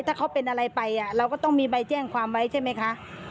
ถ้าเขาเป็นอะไรไปเราก็ต้องมีใบแจ้งความไว้ใช่ไหมคะ